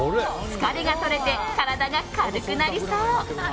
疲れが取れて、体が軽くなりそう。